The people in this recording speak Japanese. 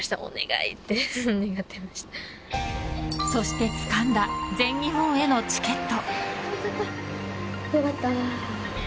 そして、つかんだ全日本へのチケット。